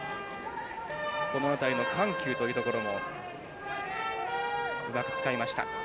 この辺りの緩急というところもうまく使いました。